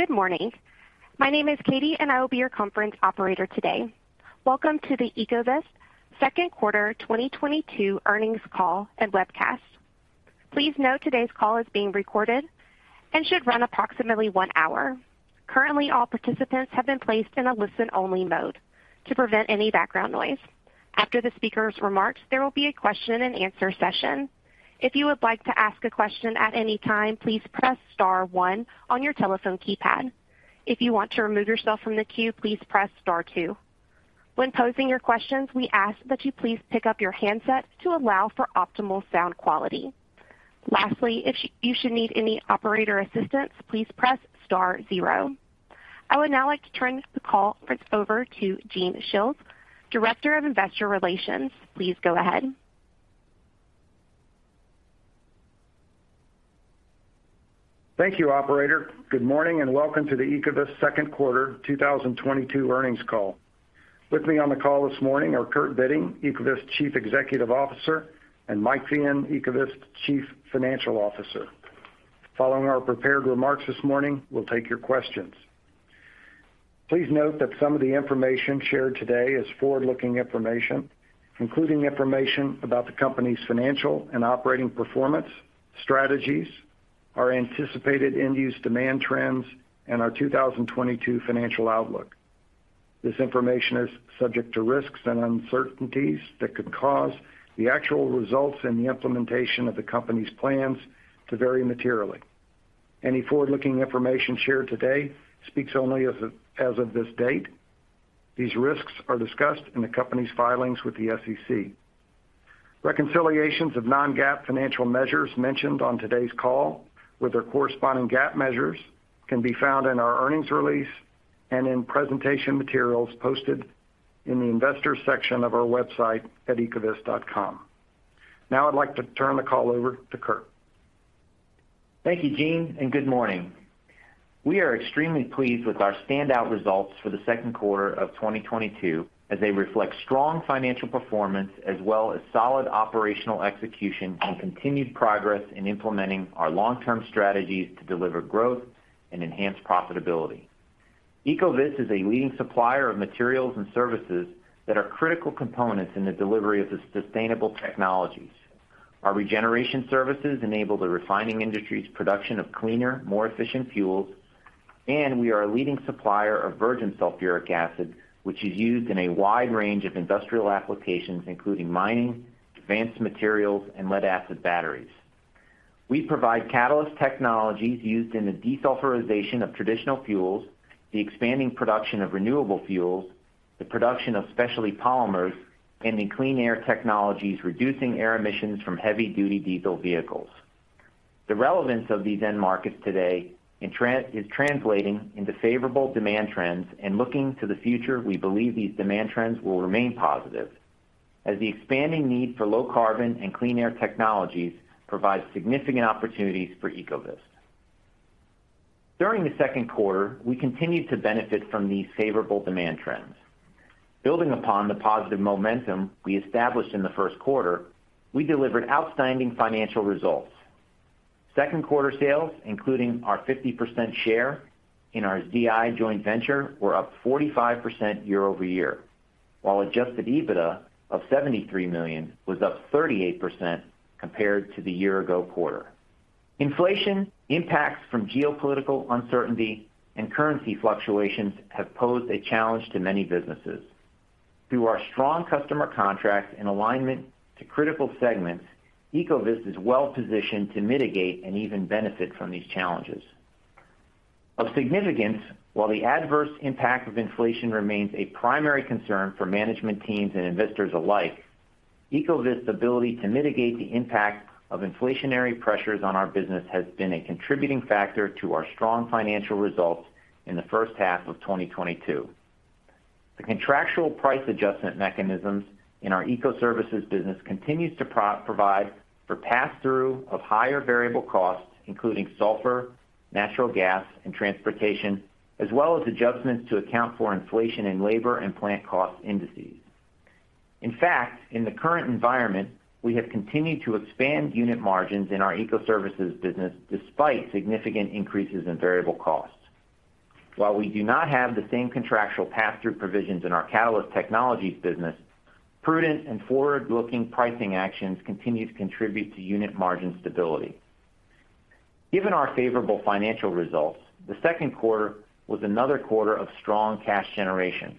Good morning. My name is Katie, and I will be your conference operator today. Welcome to the Ecovyst second quarter 2022 earnings call and webcast. Please note today's call is being recorded and should run approximately one hour. Currently, all participants have been placed in a listen-only mode to prevent any background noise. After the speaker's remarks, there will be a question-and-answer session. If you would like to ask a question at any time, please press star one on your telephone keypad. If you want to remove yourself from the queue, please press star two. When posing your questions, we ask that you please pick up your handsets to allow for optimal sound quality. Lastly, if you should need any operator assistance, please press star zero. I would now like to turn the call over to Gene Shiels, Director of Investor Relations. Please go ahead. Thank you, operator. Good morning and welcome to the Ecovyst second quarter 2022 earnings call. With me on the call this morning are Kurt Bitting, Ecovyst Chief Executive Officer, and Mike Feehan, Ecovyst Chief Financial Officer. Following our prepared remarks this morning, we'll take your questions. Please note that some of the information shared today is forward-looking information, including information about the company's financial and operating performance, strategies, our anticipated end-use demand trends, and our 2022 financial outlook. This information is subject to risks and uncertainties that could cause the actual results and the implementation of the company's plans to vary materially. Any forward-looking information shared today speaks only as of this date. These risks are discussed in the company's filings with the SEC. Reconciliations of non-GAAP financial measures mentioned on today's call with their corresponding GAAP measures can be found in our earnings release and in presentation materials posted in the investor section of our website at ecovyst.com. Now I'd like to turn the call over to Kurt. Thank you, Gene, and good morning. We are extremely pleased with our standout results for the second quarter of 2022 as they reflect strong financial performance as well as solid operational execution and continued progress in implementing our long-term strategies to deliver growth and enhance profitability. Ecovyst is a leading supplier of materials and services that are critical components in the delivery of the sustainable technologies. Our regeneration services enable the refining industry's production of cleaner, more efficient fuels, and we are a leading supplier of virgin sulfuric acid, which is used in a wide range of industrial applications, including mining, advanced materials, and lead-acid batteries. We provide catalyst technologies used in the desulfurization of traditional fuels, the expanding production of renewable fuels, the production of specialty polymers, and in clean air technologies, reducing air emissions from heavy-duty diesel vehicles. The relevance of these end markets today is translating into favorable demand trends, and looking to the future, we believe these demand trends will remain positive as the expanding need for low carbon and clean air technologies provides significant opportunities for Ecovyst. During the second quarter, we continued to benefit from these favorable demand trends. Building upon the positive momentum we established in the first quarter, we delivered outstanding financial results. Second quarter sales, including our 50% share in our Zeolyst joint venture, were up 45% year-over-year, while adjusted EBITDA of $73 million was up 38% compared to the year-ago quarter. Inflation impacts from geopolitical uncertainty and currency fluctuations have posed a challenge to many businesses. Through our strong customer contracts and alignment to critical segments, Ecovyst is well positioned to mitigate and even benefit from these challenges. Of significance, while the adverse impact of inflation remains a primary concern for management teams and investors alike, Ecovyst's ability to mitigate the impact of inflationary pressures on our business has been a contributing factor to our strong financial results in the first half of 2022. The contractual price adjustment mechanisms in our Ecoservices business continues to provide for passthrough of higher variable costs, including sulfur, natural gas, and transportation, as well as adjustments to account for inflation in labor and plant cost indices. In fact, in the current environment, we have continued to expand unit margins in our Ecoservices business despite significant increases in variable costs. While we do not have the same contractual passthrough provisions in our Catalyst Technologies business, prudent and forward-looking pricing actions continue to contribute to unit margin stability. Given our favorable financial results, the second quarter was another quarter of strong cash generation.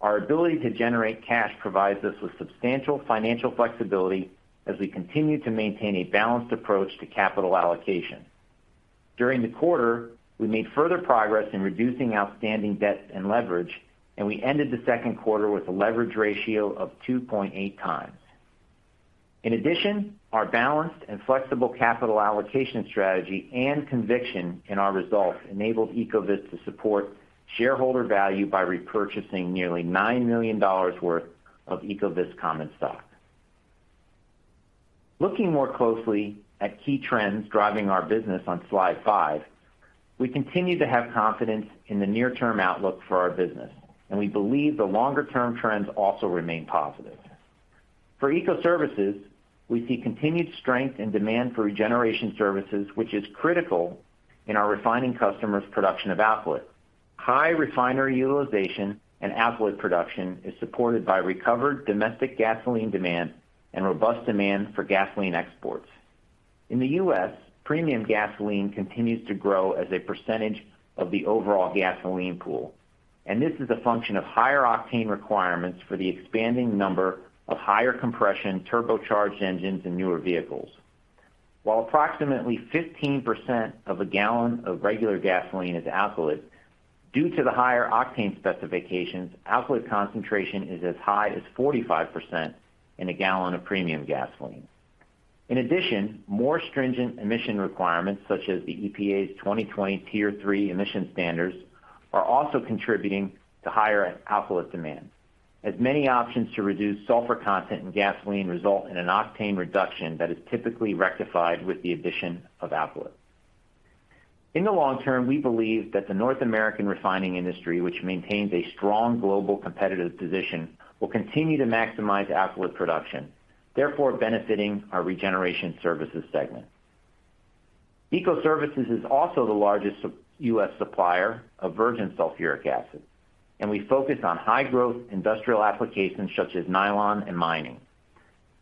Our ability to generate cash provides us with substantial financial flexibility as we continue to maintain a balanced approach to capital allocation. During the quarter, we made further progress in reducing outstanding debt and leverage, and we ended the second quarter with a leverage ratio of 2.8x. In addition, our balanced and flexible capital allocation strategy and conviction in our results enabled Ecovyst to support shareholder value by repurchasing nearly $9 million worth of Ecovyst common stock. Looking more closely at key trends driving our business on slide five, we continue to have confidence in the near-term outlook for our business, and we believe the longer-term trends also remain positive. For Ecoservices, we see continued strength and demand for regeneration services, which is critical in our refining customers' production of alkylate. High refinery utilization and alkylate production is supported by recovered domestic gasoline demand and robust demand for gasoline exports. In the U.S., premium gasoline continues to grow as a percentage of the overall gasoline pool, and this is a function of higher octane requirements for the expanding number of higher compression turbocharged engines in newer vehicles. While approximately 15% of a gallon of regular gasoline is alkylate, due to the higher octane specifications, alkylate concentration is as high as 45% in a gallon of premium gasoline. In addition, more stringent emission requirements, such as the EPA's 2020 Tier 3 emission standards, are also contributing to higher alkylate demand, as many options to reduce sulfur content in gasoline result in an octane reduction that is typically rectified with the addition of alkylate. In the long term, we believe that the North American refining industry, which maintains a strong global competitive position, will continue to maximize alkylate production, therefore benefiting our regeneration services segment. Ecoservices is also the largest U.S. supplier of virgin sulfuric acid, and we focus on high growth industrial applications such as nylon and mining.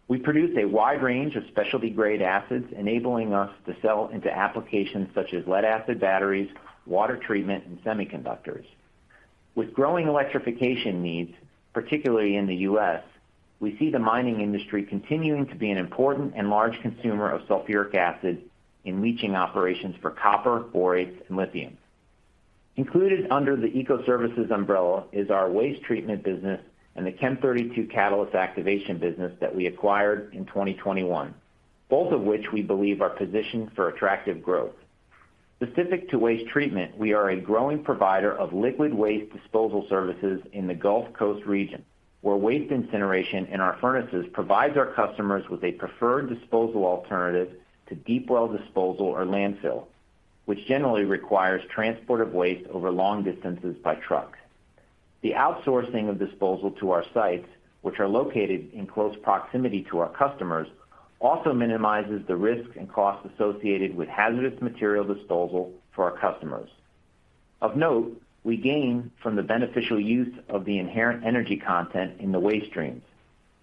We produce a wide range of specialty grade acids, enabling us to sell into applications such as lead-acid batteries, water treatment and semiconductors. With growing electrification needs, particularly in the U.S., we see the mining industry continuing to be an important and large consumer of sulfuric acid in leaching operations for copper, borates and lithium. Included under the Ecoservices umbrella is our waste treatment business and the Chem32 catalyst activation business that we acquired in 2021, both of which we believe are positioned for attractive growth. Specific to waste treatment, we are a growing provider of liquid waste disposal services in the Gulf Coast region, where waste incineration in our furnaces provides our customers with a preferred disposal alternative to deep well disposal or landfill, which generally requires transport of waste over long distances by truck. The outsourcing of disposal to our sites, which are located in close proximity to our customers, also minimizes the risk and cost associated with hazardous material disposal for our customers. Of note, we gain from the beneficial use of the inherent energy content in the waste streams,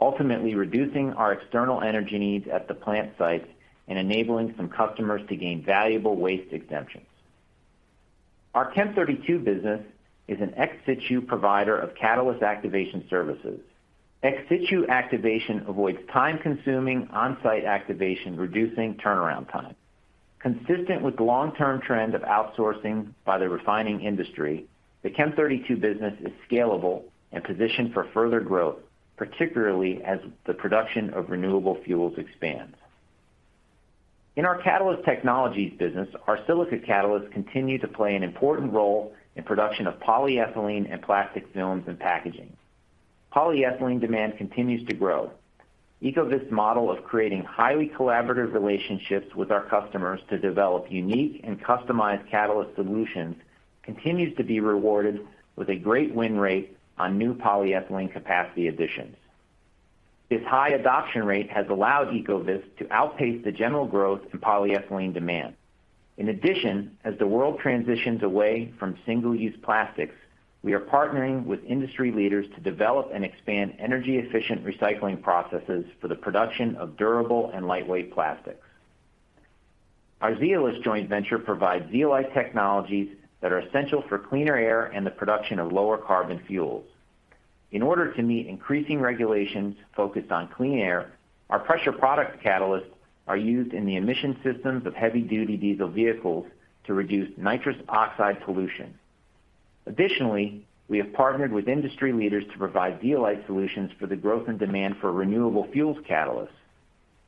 ultimately reducing our external energy needs at the plant sites and enabling some customers to gain valuable waste exemptions. Our Chem32 business is an ex situ provider of catalyst activation services. Ex situ activation avoids time-consuming on-site activation, reducing turnaround time. Consistent with the long-term trend of outsourcing by the refining industry, the Chem32 business is scalable and positioned for further growth, particularly as the production of renewable fuels expands. In our Catalyst Technologies business, our silica catalysts continue to play an important role in production of polyethylene and plastic films and packaging. Polyethylene demand continues to grow. Ecovyst's model of creating highly collaborative relationships with our customers to develop unique and customized catalyst solutions continues to be rewarded with a great win rate on new polyethylene capacity additions. This high adoption rate has allowed Ecovyst to outpace the general growth in polyethylene demand. In addition, as the world transitions away from single-use plastics, we are partnering with industry leaders to develop and expand energy-efficient recycling processes for the production of durable and lightweight plastics. Our Zeolyst joint venture provides zeolite technologies that are essential for cleaner air and the production of lower carbon fuels. In order to meet increasing regulations focused on clean air, our pressure product catalysts are used in the emission systems of heavy-duty diesel vehicles to reduce nitrous oxide pollution. We have partnered with industry leaders to provide zeolite solutions for the growth and demand for renewable fuels catalysts.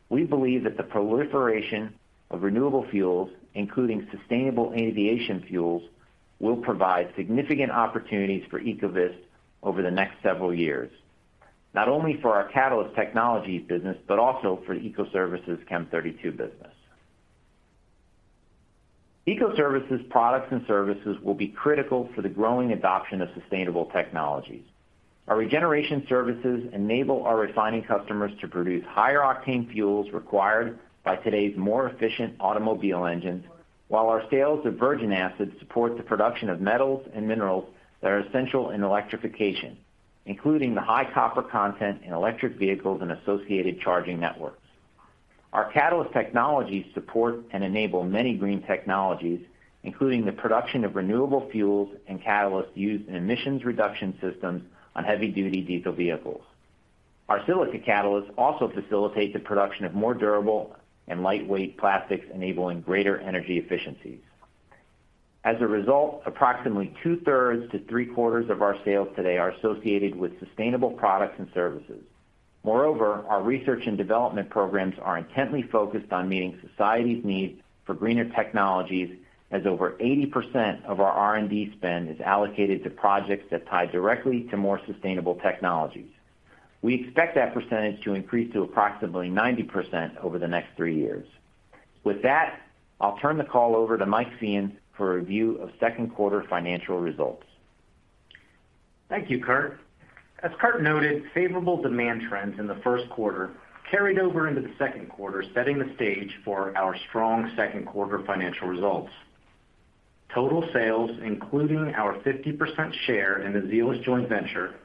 We believe that the proliferation of renewable fuels, including sustainable aviation fuels, will provide significant opportunities for Ecovyst over the next several years, not only for our Catalyst Technologies business, but also for the Ecoservices Chem32 business. Ecoservices products and services will be critical for the growing adoption of sustainable technologies. Our regeneration services enable our refining customers to produce higher octane fuels required by today's more efficient automobile engines, while our sales of virgin acids support the production of metals and minerals that are essential in electrification, including the high copper content in electric vehicles and associated charging networks. Our catalyst technologies support and enable many green technologies, including the production of renewable fuels and catalysts used in emissions reduction systems on heavy-duty diesel vehicles. Our silica catalysts also facilitate the production of more durable and lightweight plastics, enabling greater energy efficiencies. As a result, approximately 2/3 to 3/4 of our sales today are associated with sustainable products and services. Moreover, our research and development programs are intently focused on meeting society's needs for greener technologies, as over 80% of our R&D spend is allocated to projects that tie directly to more sustainable technologies. We expect that percentage to increase to approximately 90% over the next three years. With that, I'll turn the call over to Mike Feehan for a review of second quarter financial results. Thank you, Kurt. As Kurt noted, favorable demand trends in the first quarter carried over into the second quarter, setting the stage for our strong second quarter financial results. Total sales, including our 50% share in the Zeolyst joint venture,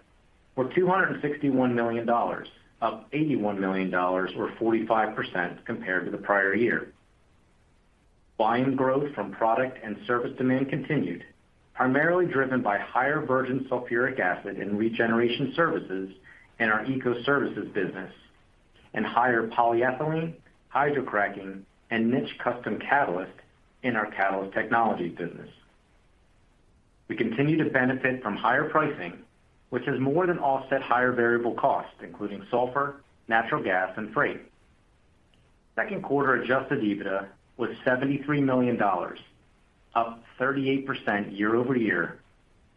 were $261 million, up $81 million or 45% compared to the prior year. Volume growth from product and service demand continued, primarily driven by higher virgin sulfuric acid and regeneration services in our Ecoservices business and higher polyethylene, hydrocracking, and niche custom catalyst in our Catalyst Technologies business. We continue to benefit from higher pricing, which has more than offset higher variable costs, including sulfur, natural gas, and freight. Second quarter adjusted EBITDA was $73 million, up 38% year-over-year,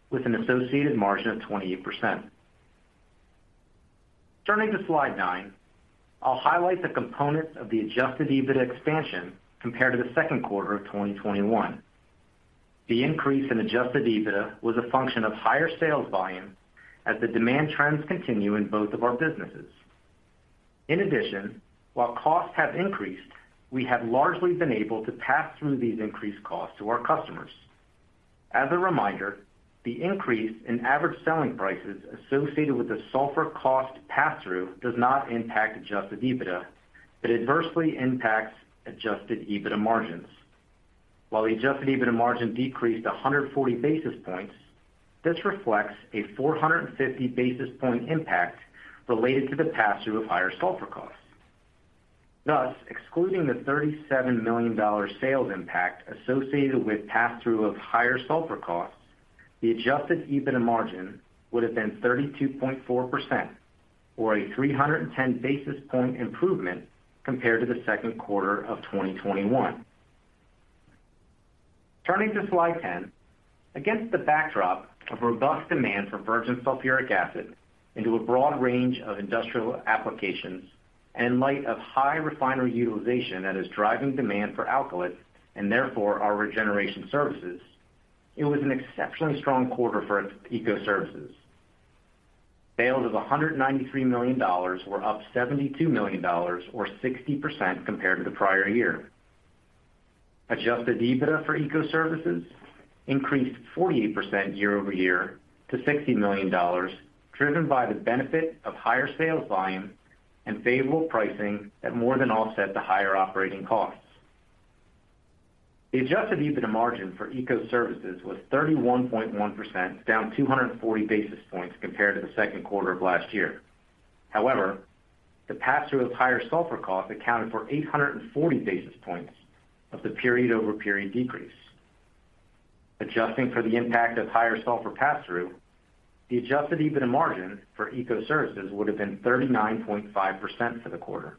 with an associated margin of 28%. Turning to slide nine, I'll highlight the components of the adjusted EBITDA expansion compared to the second quarter of 2021. The increase in adjusted EBITDA was a function of higher sales volume as the demand trends continue in both of our businesses. In addition, while costs have increased, we have largely been able to pass through these increased costs to our customers. As a reminder, the increase in average selling prices associated with the sulfur cost pass-through does not impact adjusted EBITDA. It adversely impacts adjusted EBITDA margins. While the adjusted EBITDA margin decreased 140 basis points, this reflects a 450 basis point impact related to the pass-through of higher sulfur costs. Thus, excluding the $37 million sales impact associated with pass-through of higher sulfur costs, the adjusted EBITDA margin would have been 32.4% or a 310 basis point improvement compared to the second quarter of 2021. Turning to slide 10. Against the backdrop of robust demand for virgin sulfuric acid into a broad range of industrial applications, and in light of high refinery utilization that is driving demand for alkylates and therefore our regeneration services, it was an exceptionally strong quarter for Ecoservices. Sales of $193 million were up $72 million or 60% compared to the prior year. Adjusted EBITDA for Ecoservices increased 48% year-over-year to $60 million, driven by the benefit of higher sales volume and favorable pricing that more than offset the higher operating costs. The adjusted EBITDA margin for Ecoservices was 31.1%, down 240 basis points compared to the second quarter of last year. However, the pass-through of higher sulfur cost accounted for 840 basis points of the period-over-period decrease. Adjusting for the impact of higher sulfur pass-through, the adjusted EBITDA margin for Ecoservices would have been 39.5% for the quarter.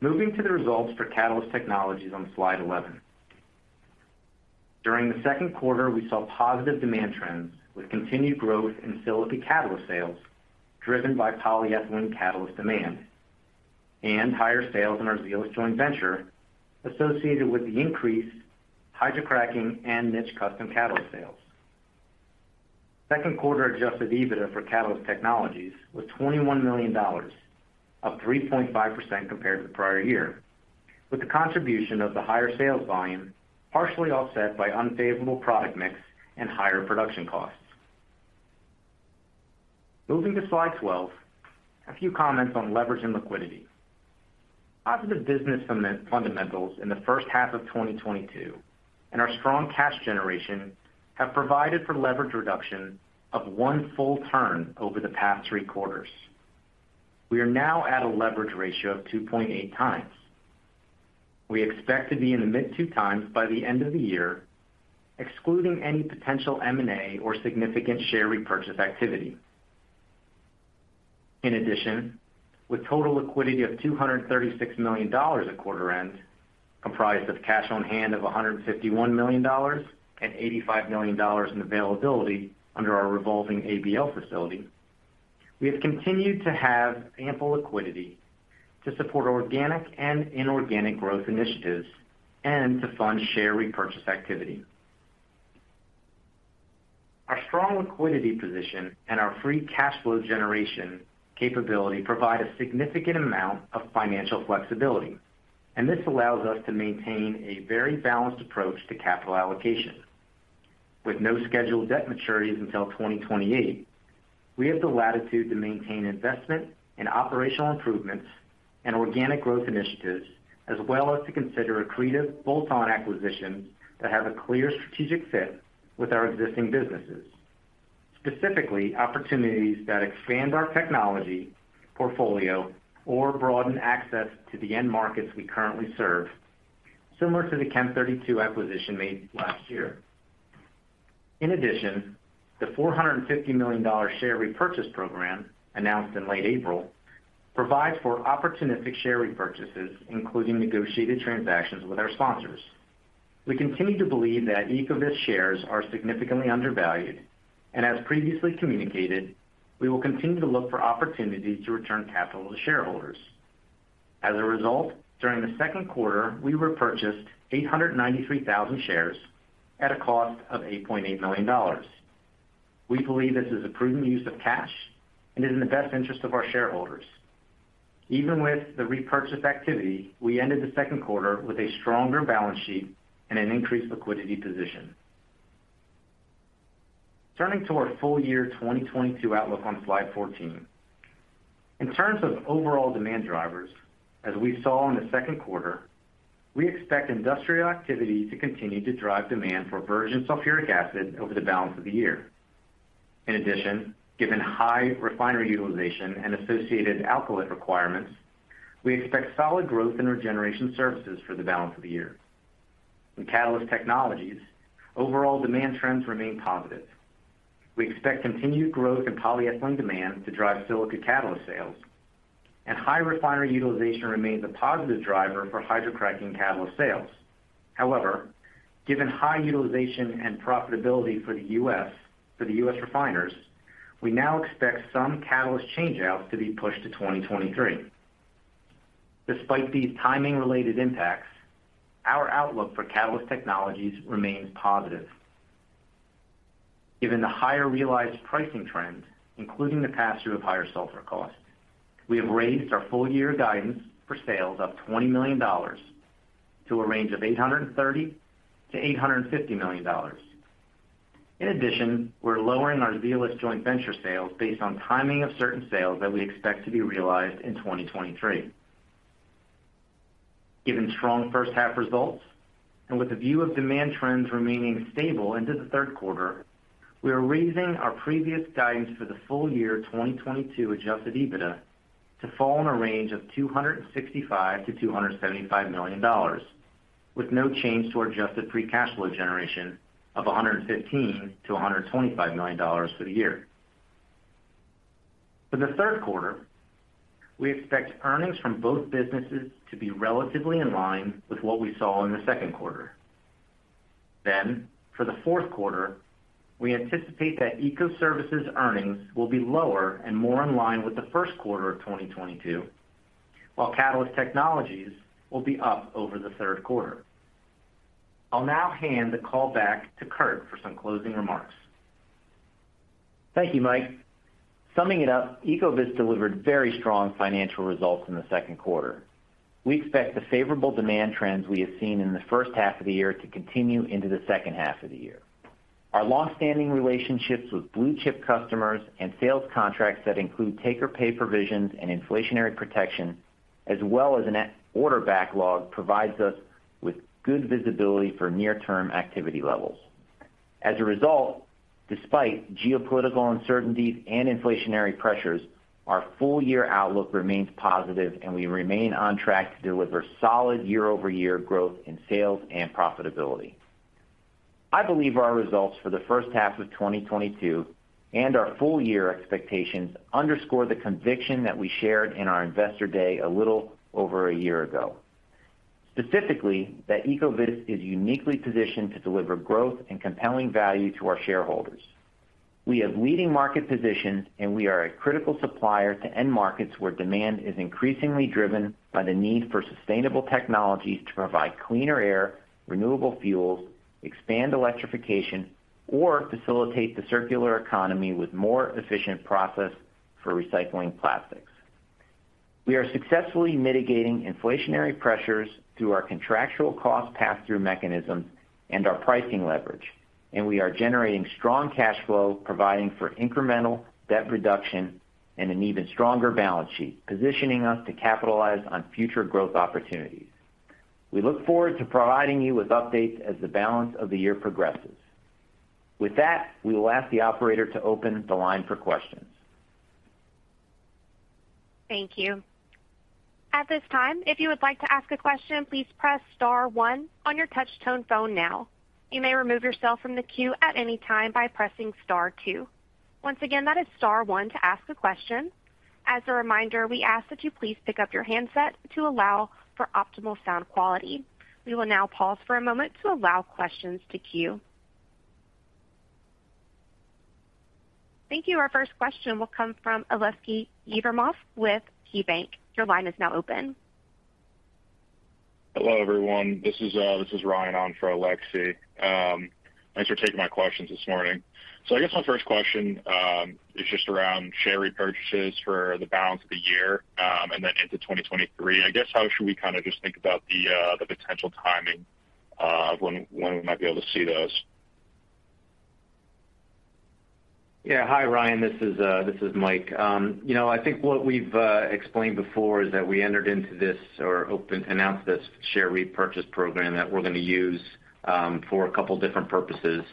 Moving to the results for Catalyst Technologies on slide 11. During the second quarter, we saw positive demand trends with continued growth in silica catalyst sales driven by polyethylene catalyst demand and higher sales in our Zeolyst joint venture associated with the increased hydrocracking and niche custom catalyst sales. Second quarter adjusted EBITDA for Catalyst Technologies was $21 million, up 3.5% compared to the prior year, with the contribution of the higher sales volume partially offset by unfavorable product mix and higher production costs. Moving to slide 12, a few comments on leverage and liquidity. Positive business fundamentals in the first half of 2022 and our strong cash generation have provided for leverage reduction of one full turn over the past three quarters. We are now at a leverage ratio of 2.8x. We expect to be in the mid 2x by the end of the year, excluding any potential M&A or significant share repurchase activity. In addition, with total liquidity of $236 million at quarter end, comprised of cash on hand of $151 million and $85 million in availability under our revolving ABL facility, we have continued to have ample liquidity to support organic and inorganic growth initiatives and to fund share repurchase activity. Our strong liquidity position and our free cash flow generation capability provide a significant amount of financial flexibility, and this allows us to maintain a very balanced approach to capital allocation. With no scheduled debt maturities until 2028, we have the latitude to maintain investment in operational improvements and organic growth initiatives, as well as to consider accretive bolt-on acquisitions that have a clear strategic fit with our existing businesses, specifically opportunities that expand our technology portfolio or broaden access to the end markets we currently serve, similar to the Chem32 acquisition made last year. In addition, the $450 million share repurchase program announced in late April provides for opportunistic share repurchases, including negotiated transactions with our sponsors. We continue to believe that Ecovyst shares are significantly undervalued, and as previously communicated, we will continue to look for opportunities to return capital to shareholders. As a result, during the second quarter, we repurchased 893,000 shares at a cost of $8.8 million. We believe this is a prudent use of cash and is in the best interest of our shareholders. Even with the repurchase activity, we ended the second quarter with a stronger balance sheet and an increased liquidity position. Turning to our full-year 2022 outlook on slide 14. In terms of overall demand drivers, as we saw in the second quarter, we expect industrial activity to continue to drive demand for virgin sulfuric acid over the balance of the year. In addition, given high refinery utilization and associated alkylate requirements, we expect solid growth in regeneration services for the balance of the year. In Catalyst Technologies, overall demand trends remain positive. We expect continued growth in polyethylene demand to drive silica catalyst sales, and high refinery utilization remains a positive driver for hydrocracking catalyst sales. However, given high utilization and profitability for the U.S. refiners, we now expect some catalyst change outs to be pushed to 2023. Despite these timing-related impacts, our outlook for Catalyst Technologies remains positive. Given the higher realized pricing trends, including the pass-through of higher sulfur costs, we have raised our full-year guidance for sales of $20 million to a range of $830 million-$850 million. In addition, we're lowering our Zeolyst joint venture sales based on timing of certain sales that we expect to be realized in 2023. Given strong first half results, and with a view of demand trends remaining stable into the third quarter, we are raising our previous guidance for the full year 2022 adjusted EBITDA to fall in a range of $265 million-$275 million, with no change to our adjusted free cash flow generation of $115 million-$125 million for the year. For the third quarter, we expect earnings from both businesses to be relatively in line with what we saw in the second quarter. For the fourth quarter, we anticipate that Ecoservices earnings will be lower and more in line with the first quarter of 2022, while Catalyst Technologies will be up over the third quarter. I'll now hand the call back to Kurt for some closing remarks. Thank you, Mike. Summing it up, Ecovyst delivered very strong financial results in the second quarter. We expect the favorable demand trends we have seen in the first half of the year to continue into the second half of the year. Our long-standing relationships with blue-chip customers and sales contracts that include take-or-pay provisions and inflationary protection, as well as an order backlog, provides us with good visibility for near-term activity levels. As a result, despite geopolitical uncertainties and inflationary pressures, our full-year outlook remains positive, and we remain on track to deliver solid year-over-year growth in sales and profitability. I believe our results for the first half of 2022 and our full-year expectations underscore the conviction that we shared in our Investor Day a little over a year ago. Specifically, that Ecovyst is uniquely positioned to deliver growth and compelling value to our shareholders. We have leading market positions, and we are a critical supplier to end markets where demand is increasingly driven by the need for sustainable technologies to provide cleaner air, renewable fuels, expand electrification, or facilitate the circular economy with more efficient process for recycling plastics. We are successfully mitigating inflationary pressures through our contractual cost pass-through mechanisms and our pricing leverage, and we are generating strong cash flow, providing for incremental debt reduction and an even stronger balance sheet, positioning us to capitalize on future growth opportunities. We look forward to providing you with updates as the balance of the year progresses. With that, we will ask the operator to open the line for questions. Thank you. At this time, if you would like to ask a question, please press star one on your touch-tone phone now. You may remove yourself from the queue at any time by pressing star two. Once again, that is star one to ask a question. As a reminder, we ask that you please pick up your handset to allow for optimal sound quality. We will now pause for a moment to allow questions to queue. Thank you. Our first question will come from Aleksey Yefremov with KeyBanc. Your line is now open. Hello, everyone. This is Ryan on for Aleksey. Thanks for taking my questions this morning. I guess my first question is just around share repurchases for the balance of the year, and then into 2023. How should we kinda just think about the potential timing of when we might be able to see those? Yeah. Hi, Ryan. This is Mike. You know, I think what we've explained before is that we announced this share repurchase program that we're gonna use for a couple different purposes.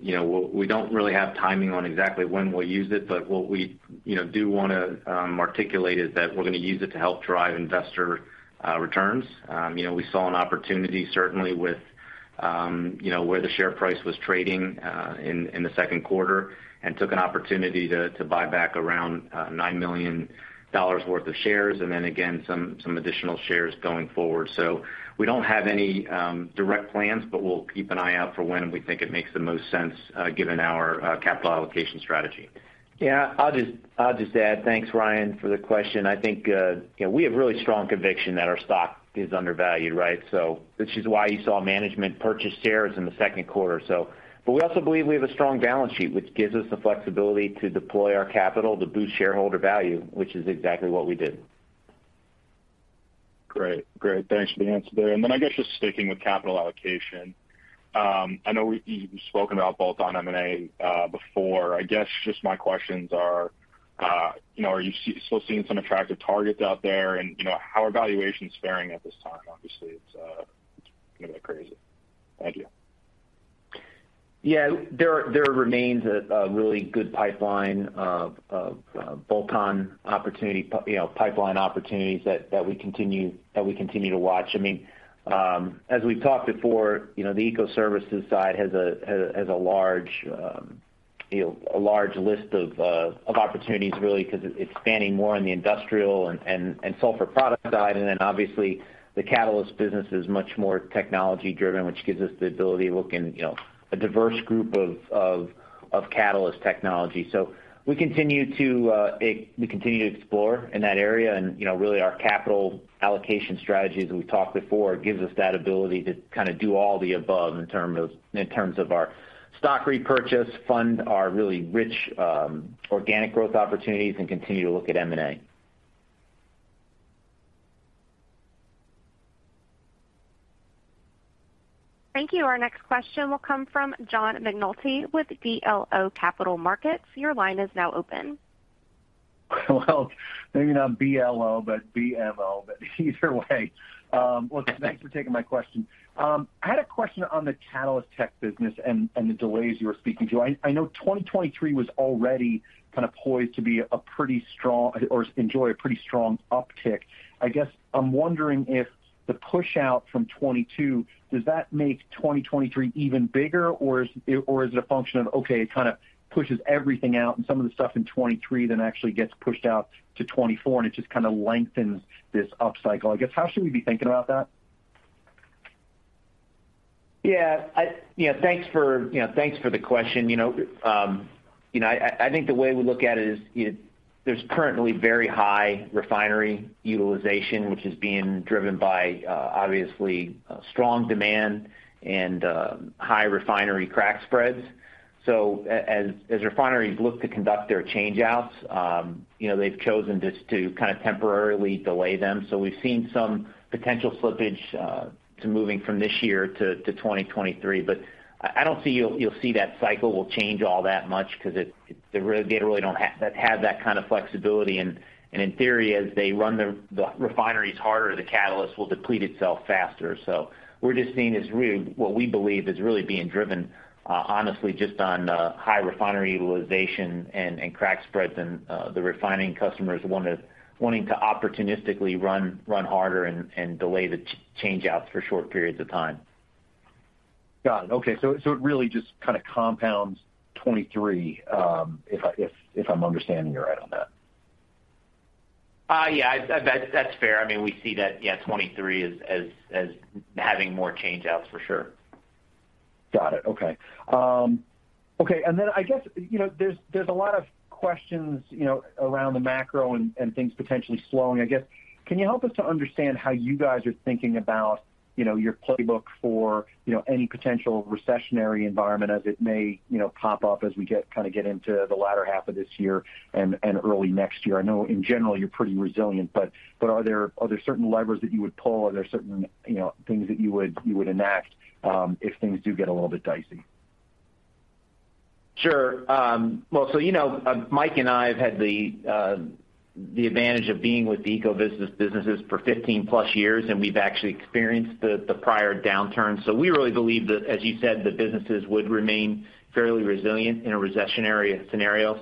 You know, we don't really have timing on exactly when we'll use it, but what we do wanna articulate is that we're gonna use it to help drive investor returns. You know, we saw an opportunity certainly with where the share price was trading in the second quarter and took an opportunity to buy back around $9 million worth of shares and then again some additional shares going forward. We don't have any direct plans, but we'll keep an eye out for when we think it makes the most sense, given our capital allocation strategy. Yeah. I'll just add. Thanks, Ryan, for the question. I think, you know, we have really strong conviction that our stock is undervalued, right? This is why you saw management purchase shares in the second quarter, so. We also believe we have a strong balance sheet, which gives us the flexibility to deploy our capital to boost shareholder value, which is exactly what we did. Great. Thanks for the answer there. I guess just sticking with capital allocation, I know you've spoken about bolt-on M&A before. I guess just my questions are, you know, are you still seeing some attractive targets out there? You know, how are valuations faring at this time? Obviously, it's gonna be crazy. Thank you. Yeah. There remains a really good pipeline of bolt-on opportunities, you know, pipeline opportunities that we continue to watch. I mean, as we've talked before, you know, the Ecoservices side has a large list of opportunities really 'cause it's spanning more on the industrial and sulfur product side. Obviously, the catalyst business is much more technology driven, which gives us the ability to look in a diverse group of catalyst technology. We continue to explore in that area. You know, really our capital allocation strategy, as we've talked before, gives us that ability to kinda do all the above in terms of our stock repurchase, fund our really rich organic growth opportunities, and continue to look at M&A. Thank you. Our next question will come from John McNulty with BMO Capital Markets. Your line is now open. Well, maybe not BLO, but BMO, but either way. Look, thanks for taking my question. I had a question on the Catalyst Tech business and the delays you were speaking to. I know 2023 was already kinda poised to be a pretty strong uptick. I guess I'm wondering if the pushout from 2022 does that make 2023 even bigger, or is it a function of, okay, it kinda pushes everything out, and some of the stuff in 2023 then actually gets pushed out to 2024, and it just kinda lengthens this upcycle? I guess how should we be thinking about that? Yeah, thanks for the question. You know, I think the way we look at it is, you know, there's currently very high refinery utilization, which is being driven by, obviously, strong demand and high refinery crack spreads. As refineries look to conduct their changeouts, you know, they've chosen just to kinda temporarily delay them. So we've seen some potential slippage to moving from this year to 2023. But I don't see, you'll see that cycle will change all that much 'cause they really don't have that kind of flexibility. And in theory, as they run the refineries harder, the catalyst will deplete itself faster. We're just seeing this really what we believe is really being driven, honestly, just on high refinery utilization and crack spreads. The refining customers wanting to opportunistically run harder and delay the changeouts for short periods of time. Got it. Okay. It really just kinda compounds 2023, if I'm understanding you right on that? Yeah. That's fair. I mean, we see that, yeah, 2023 as having more changeouts for sure. Got it. Okay. Then I guess, you know, there's a lot of questions, you know, around the macro and things potentially slowing. I guess can you help us to understand how you guys are thinking about, you know, your playbook for, you know, any potential recessionary environment as it may, you know, pop up as we kinda get into the latter half of this year and early next year? I know in general you're pretty resilient, but are there certain levers that you would pull? Are there certain, you know, things that you would enact if things do get a little bit dicey? Sure. Well, you know, Mike and I have had the advantage of being with the Ecovyst businesses for 15+ years, and we've actually experienced the prior downturns. We really believe that, as you said, the businesses would remain fairly resilient in a recessionary scenario.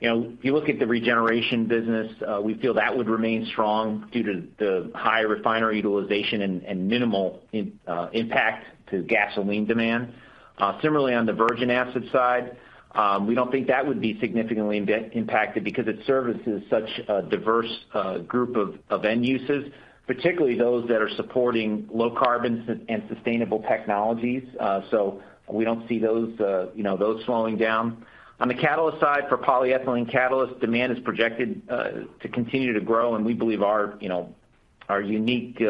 You know, if you look at the regeneration business, we feel that would remain strong due to the high refinery utilization and minimal impact to gasoline demand. Similarly, on the virgin acid side, we don't think that would be significantly impacted because it services such a diverse group of end uses, particularly those that are supporting low carbon and sustainable technologies. We don't see those slowing down. On the catalyst side, for polyethylene catalyst, demand is projected to continue to grow. We believe our, you know, our unique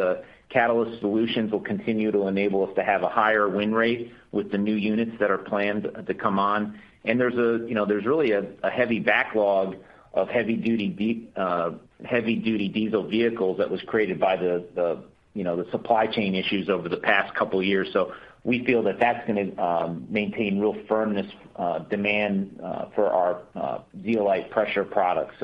catalyst solutions will continue to enable us to have a higher win rate with the new units that are planned to come on. There's really a heavy backlog of heavy-duty diesel vehicles that was created by the supply chain issues over the past couple years. We feel that that's gonna maintain real firmness demand for our Zeolyst products.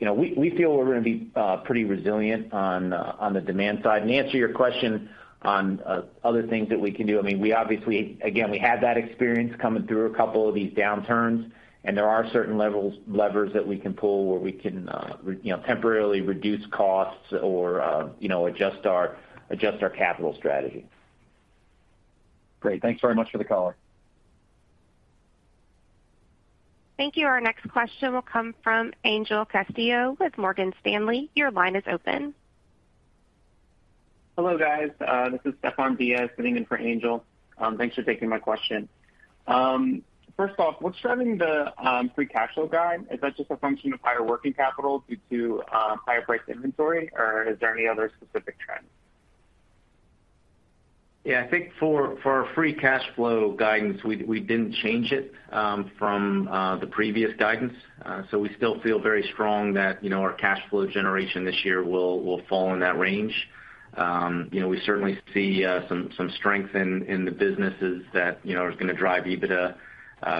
You know, we feel we're gonna be pretty resilient on the demand side. To answer your question on other things that we can do, I mean, we obviously again we have that experience coming through a couple of these downturns, and there are certain levers that we can pull, where we can you know temporarily reduce costs or you know adjust our capital strategy. Great. Thanks very much for the color. Thank you. Our next question will come from Angel Castillo with Morgan Stanley. Your line is open. Hello, guys. This is Stefan Diaz sitting in for Angel. Thanks for taking my question. First off, what's driving the free cash flow guide? Is that just a function of higher working capital due to higher priced inventory, or is there any other specific drivers? Yeah, I think for our free cash flow guidance, we didn't change it from the previous guidance. We still feel very strong that, you know, our cash flow generation this year will fall in that range. You know, we certainly see some strength in the businesses that, you know, are gonna drive EBITDA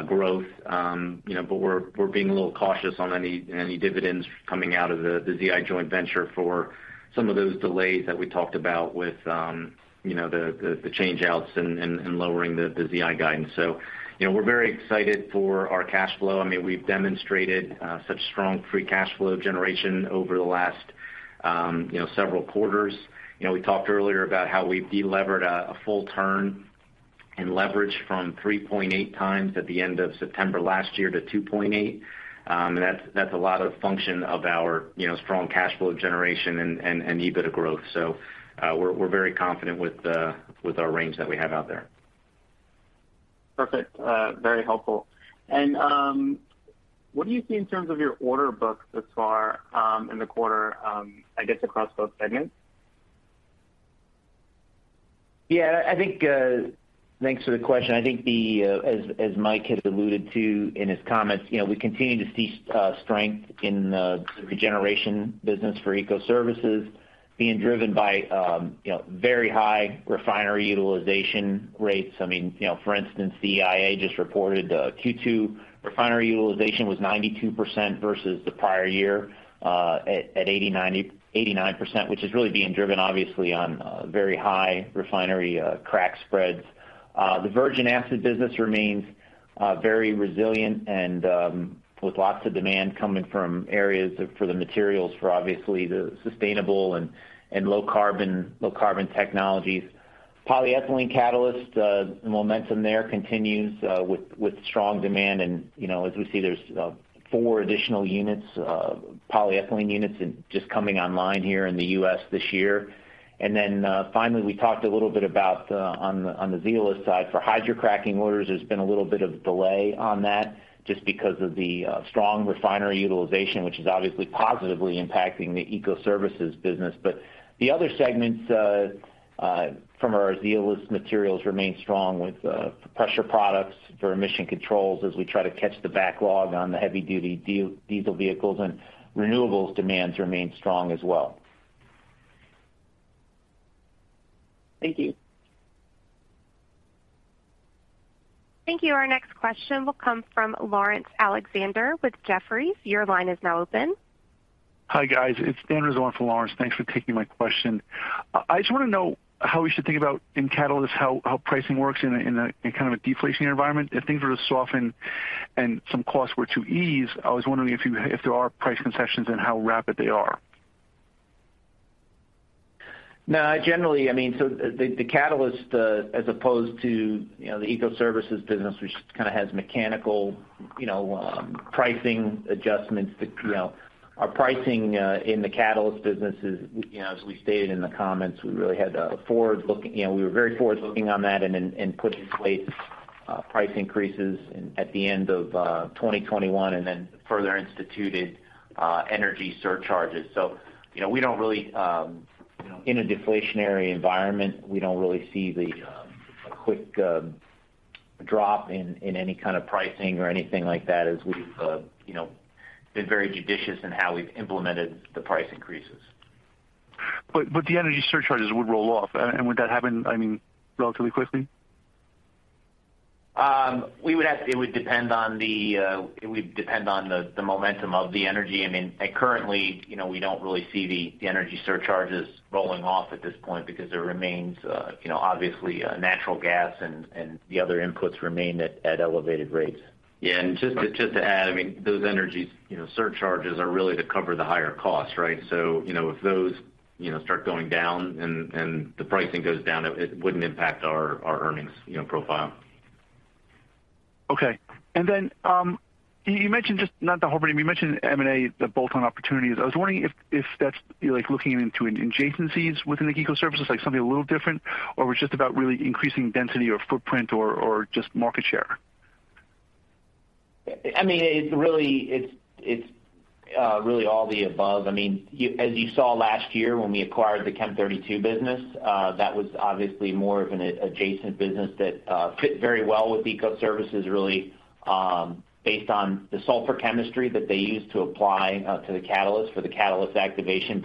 growth. You know, but we're being a little cautious on any dividends coming out of the Zeolyst joint venture for some of those delays that we talked about with, you know, the change outs and lowering the Zeolyst guidance. You know, we're very excited for our cash flow. I mean, we've demonstrated such strong free cash flow generation over the last, you know, several quarters. You know, we talked earlier about how we've delevered a full turn in leverage from 3.8x at the end of September last year to 2.8x. And that's a lot of function of our, you know, strong cash flow generation and EBITDA growth. We're very confident with our range that we have out there. Perfect. Very helpful. What do you see in terms of your order book thus far, in the quarter, I guess across both segments? Yeah, I think, thanks for the question. I think the, as Mike has alluded to in his comments, you know, we continue to see strength in the regeneration business for Ecoservices being driven by, you know, very high refinery utilization rates. I mean, you know, for instance, the EIA just reported Q2 refinery utilization was 92% versus the prior year at 89%, which is really being driven obviously on very high refinery crack spreads. The virgin acid business remains very resilient and, with lots of demand coming from areas for the materials for obviously the sustainable and low carbon technologies. Polyethylene catalyst momentum there continues with strong demand. You know, as we see, there's four additional units, polyethylene units just coming online here in the U.S. this year. Finally, we talked a little bit about on the Zeolyst side. For hydrocracking orders, there's been a little bit of delay on that just because of the strong refinery utilization, which is obviously positively impacting the Ecoservices business. The other segments from our Zeolyst materials remain strong with pressure products for emission controls as we try to catch the backlog on the heavy-duty diesel vehicles, and renewables demands remain strong as well. Thank you. Thank you. Our next question will come from Laurence Alexander with Jefferies. Your line is now open. Hi, guys. It's Daniel Rizzo on for Laurence. Thanks for taking my question. I just wanna know how we should think about in catalyst, how pricing works in a kind of deflationary environment. If things were to soften and some costs were to ease, I was wondering if there are price concessions and how rapid they are. No, generally, I mean, the catalyst, as opposed to, you know, the Ecoservices business, which kinda has mechanical, you know, pricing adjustments. You know, our pricing in the catalyst business is, you know, as we stated in the comments, we really had a forward-looking. You know, we were very forward-looking on that and put in place price increases at the end of 2021, and then further instituted energy surcharges. You know, we don't really, you know, in a deflationary environment, we don't really see a quick drop in any kind of pricing or anything like that as we've, you know, been very judicious in how we've implemented the price increases. The energy surcharges would roll off. Would that happen, I mean, relatively quickly? It would depend on the momentum of the energy. I mean, currently, you know, we don't really see the energy surcharges rolling off at this point because there remains, you know, obviously, natural gas and the other inputs remain at elevated rates. Yeah. Just to add, I mean, those energy, you know, surcharges are really to cover the higher costs, right? You know, if those, you know, start going down and the pricing goes down, it wouldn't impact our earnings, you know, profile. Okay. I mean, you mentioned M&A, the bolt-on opportunities. I was wondering if that's like looking into adjacencies within the Ecoservices, like something a little different, or it's just about really increasing density or footprint or just market share. I mean, it's really all the above. I mean, as you saw last year when we acquired the Chem32 business, that was obviously more of an adjacent business that fit very well with Ecoservices really, based on the sulfur chemistry that they use to apply to the catalyst for the catalyst activation.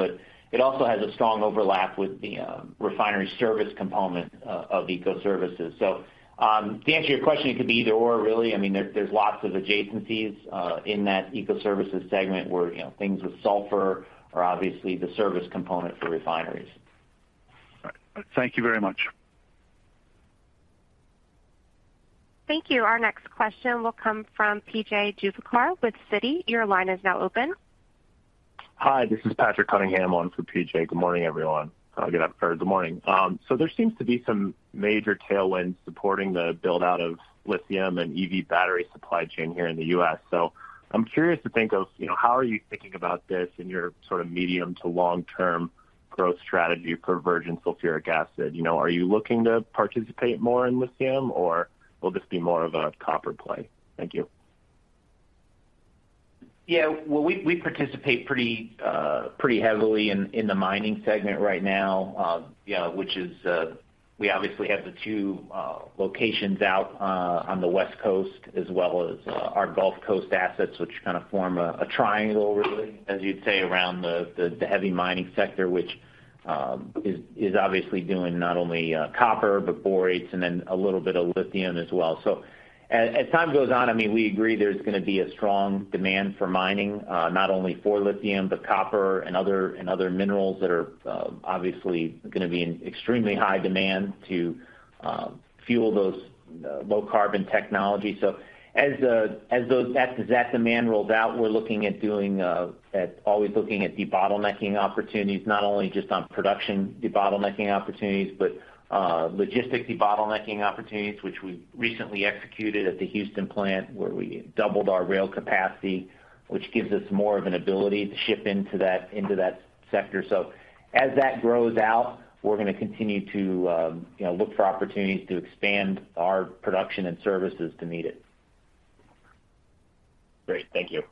It also has a strong overlap with the refinery service component of Ecoservices. To answer your question, it could be either or really. I mean, there's lots of adjacencies in that Ecoservices segment where, you know, things with sulfur are obviously the service component for refineries. Thank you very much. Thank you. Our next question will come from P.J. Juvekar with Citi. Your line is now open. Hi, this is Patrick Cunningham on for P.J. Good morning, everyone. Good morning. I'm curious to think of, you know, how are you thinking about this in your sort of medium- to long-term growth strategy for virgin sulfuric acid? You know, are you looking to participate more in lithium, or will this be more of a copper play? Thank you. Yeah. Well, we participate pretty heavily in the mining segment right now, you know, which is we obviously have the two locations out on the West Coast as well as our Gulf Coast assets, which kind of form a triangle really, as you'd say, around the heavy mining sector, which is obviously doing not only copper, but borates and then a little bit of lithium as well. As time goes on, I mean, we agree there's gonna be a strong demand for mining not only for lithium, but copper and other minerals that are obviously gonna be in extremely high demand to fuel those low carbon technology. As that demand rolls out, we're always looking at debottlenecking opportunities, not only just on production debottlenecking opportunities, but logistics debottlenecking opportunities, which we recently executed at the Houston plant where we doubled our rail capacity, which gives us more of an ability to ship into that sector. As that grows out, we're gonna continue to, you know, look for opportunities to expand our production and services to meet it. Great. Thank you.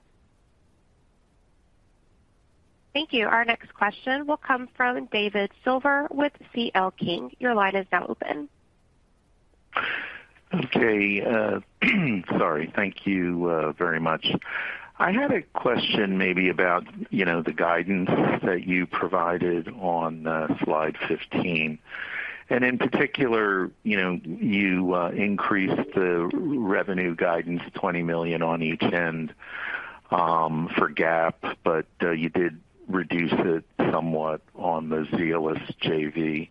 Thank you. Our next question will come from David Silver with C.L. King. Your line is now open. Okay. Sorry. Thank you very much. I had a question maybe about, you know, the guidance that you provided on slide 15. In particular, you know, you increased the revenue guidance $20 million on each end for GAAP, but you did reduce it somewhat on the Zeolyst JV.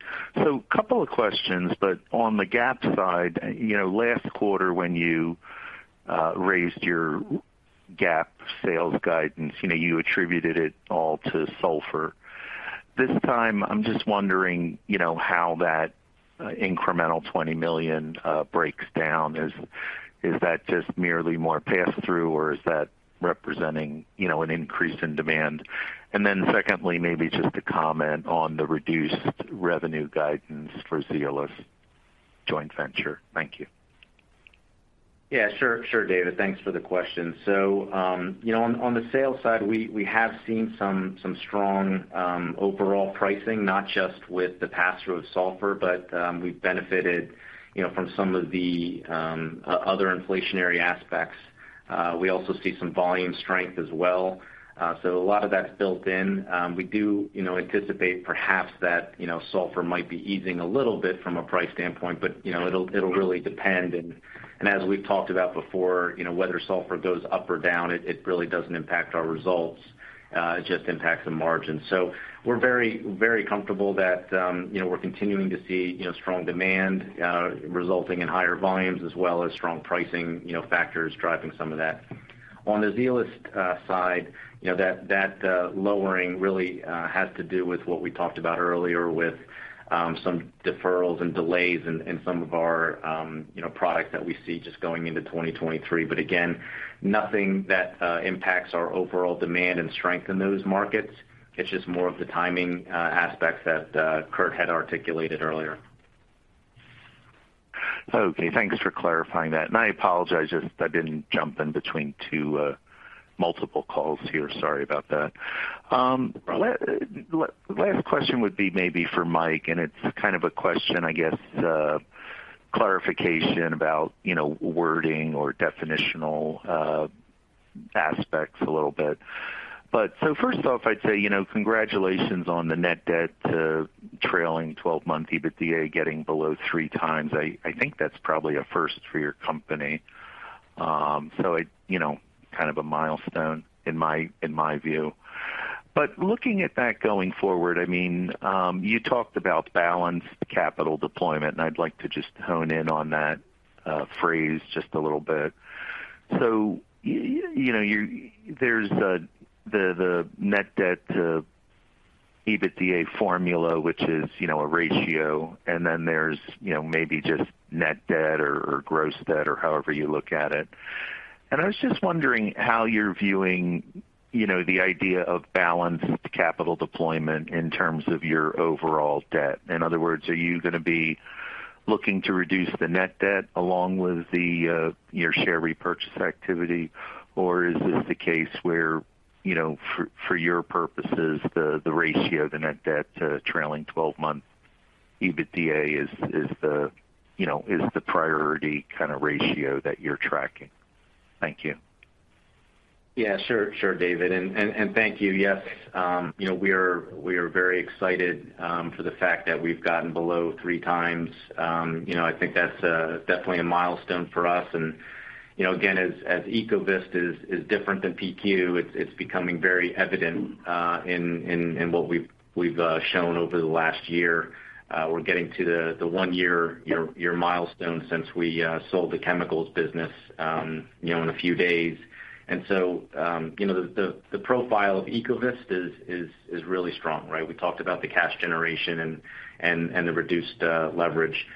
Couple of questions, but on the GAAP side, you know, last quarter when you raised your GAAP sales guidance, you know, you attributed it all to sulfur. This time, I'm just wondering, you know, how that incremental $20 million breaks down. Is that just merely more pass-through, or is that representing, you know, an increase in demand? And then secondly, maybe just a comment on the reduced revenue guidance for Zeolyst joint venture. Thank you. Yeah, sure, David. Thanks for the question. You know, on the sales side, we have seen some strong overall pricing, not just with the pass-through of sulfur, but we've benefited, you know, from some of the other inflationary aspects. We also see some volume strength as well. A lot of that's built in. We do, you know, anticipate perhaps that, you know, sulfur might be easing a little bit from a price standpoint, but, you know, it'll really depend. As we've talked about before, you know, whether sulfur goes up or down, it really doesn't impact our results. It just impacts the margin. We're very, very comfortable that, you know, we're continuing to see, you know, strong demand, resulting in higher volumes as well as strong pricing, you know, factors driving some of that. On the Zeolyst side, you know, that that lowering really has to do with what we talked about earlier with some deferrals and delays in some of our, you know, products that we see just going into 2023. Again, nothing that impacts our overall demand and strength in those markets. It's just more of the timing aspects that Kurt had articulated earlier. Okay. Thanks for clarifying that. I apologize if I didn't jump in between two multiple calls here. Sorry about that. Last question would be maybe for Mike, and it's kind of a question, I guess, clarification about, you know, wording or definitional aspects a little bit. First off, I'd say, you know, congratulations on the net debt trailing 12-month EBITDA getting below 3x. I think that's probably a first for your company. It you know, kind of a milestone in my view. Looking at that going forward, I mean, you talked about balanced capital deployment, and I'd like to just hone in on that phrase just a little bit. You know, there's the net debt to EBITDA formula, which is, you know, a ratio, and then there's, you know, maybe just net debt or gross debt or however you look at it. I was just wondering how you're viewing, you know, the idea of balanced capital deployment in terms of your overall debt. In other words, are you gonna be looking to reduce the net debt along with your share repurchase activity, or is this the case where, you know, for your purposes, the ratio of the net debt to trailing 12-month EBITDA is the priority kind of ratio that you're tracking? Thank you. Yeah, sure, David, and thank you. Yes, you know, we are very excited for the fact that we've gotten below 3x. You know, I think that's definitely a milestone for us. You know, again, as Ecovyst is different than PQ, it's becoming very evident in what we've shown over the last year. We're getting to the 1-year milestone since we sold the chemicals business, you know, in a few days. You know, the profile of Ecovyst is really strong, right? We talked about the cash generation and the reduced leverage.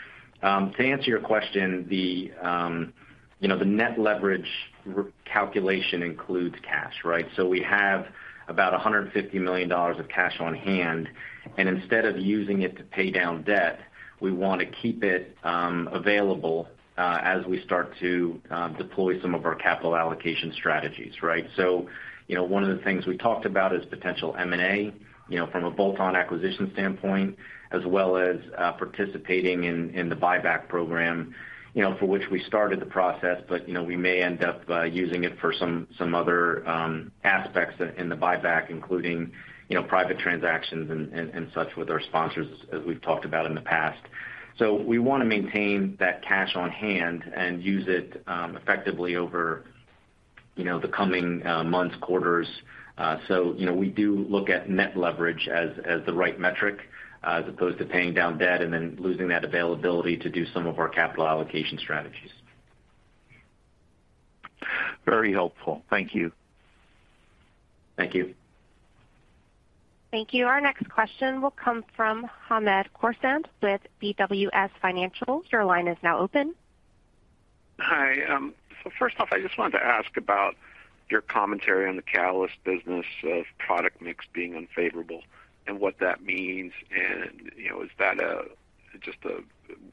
To answer your question, you know, the net leverage re-calculation includes cash, right? We have about $150 million of cash on hand, and instead of using it to pay down debt, we wanna keep it available as we start to deploy some of our capital allocation strategies, right? You know, one of the things we talked about is potential M&A, you know, from a bolt-on acquisition standpoint, as well as participating in the buyback program, you know, for which we started the process. You know, we may end up using it for some other aspects in the buyback, including, you know, private transactions and such with our sponsors, as we've talked about in the past. We wanna maintain that cash on hand and use it effectively over, you know, the coming months, quarters. You know, we do look at net leverage as the right metric as opposed to paying down debt and then losing that availability to do some of our capital allocation strategies. Very helpful. Thank you. Thank you. Thank you. Our next question will come from Hamed Khorsand with BWS Financial. Your line is now open. Hi. First off, I just wanted to ask about your commentary on the catalyst business of product mix being unfavorable and what that means. You know, is that just a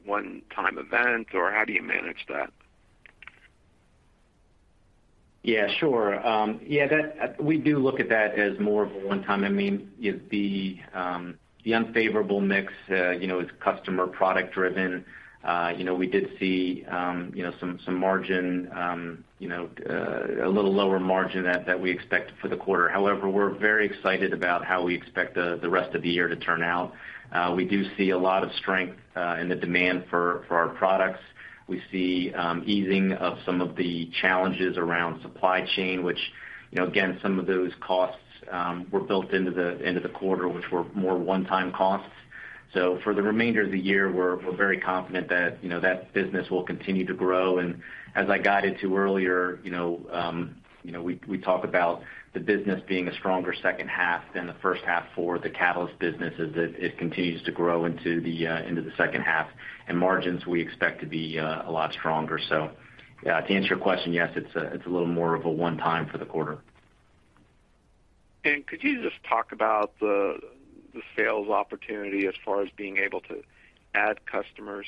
one-time event, or how do you manage that? Yeah, sure. We do look at that as more of a one-time. I mean, the unfavorable mix, you know, is customer product driven. You know, we did see, you know, some margin, you know, a little lower margin that we expected for the quarter. However, we're very excited about how we expect the rest of the year to turn out. We do see a lot of strength in the demand for our products. We see easing of some of the challenges around supply chain, which, you know, again, some of those costs were built into the quarter, which were more one-time costs. For the remainder of the year, we're very confident that, you know, that business will continue to grow. As I guided to earlier, you know, we talk about the business being a stronger second half than the first half for the catalyst business as it continues to grow into the second half. Margins we expect to be a lot stronger. Yeah, to answer your question, yes, it's a little more of a one-time for the quarter. Could you just talk about the sales opportunity as far as being able to add customers?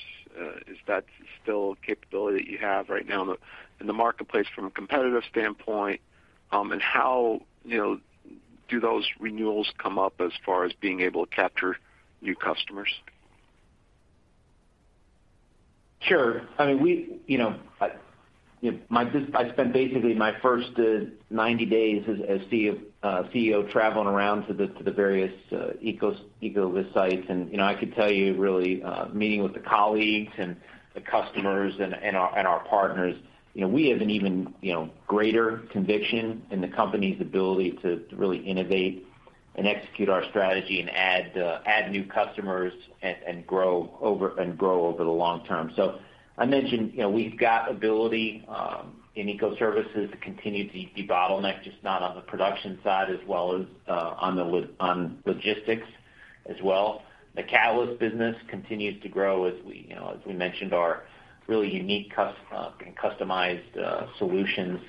Is that still a capability that you have right now in the marketplace from a competitive standpoint? How, you know, do those renewals come up as far as being able to capture new customers? Sure. I mean, you know, I spent basically my first 90 days as CEO traveling around to the various Ecovyst sites. You know, I could tell you really meeting with the colleagues and the customers and our partners, you know, we have an even greater conviction in the company's ability to really innovate and execute our strategy and add new customers and grow over the long term. I mentioned, you know, we've got ability in Ecoservices to continue to debottleneck, just not on the production side, as well as on logistics as well. The catalyst business continues to grow as we, you know, as we mentioned, our really unique customized solutions,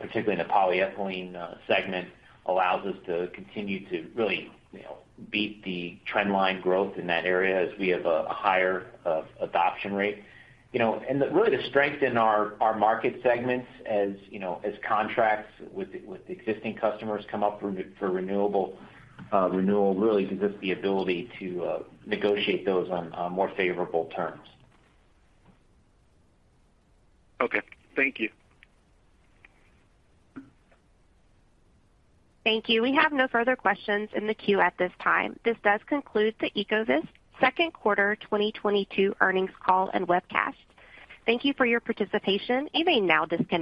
particularly in the polyethylene segment, allows us to continue to really, you know, beat the trend line growth in that area as we have a higher adoption rate. You know, really the strength in our market segments as, you know, as contracts with the existing customers come up for renewal really gives us the ability to negotiate those on more favorable terms. Okay. Thank you. Thank you. We have no further questions in the queue at this time. This does conclude the Ecovyst second quarter 2022 earnings call and webcast. Thank you for your participation. You may now disconnect.